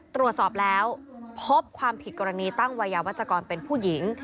ตรวจสอบแล้วพบความผิดกรณีตั้งวัยยาวัชกรเป็นผู้หญิง